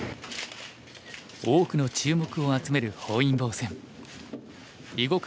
多くの注目を集める本因坊戦。